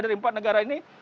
dari empat negara ini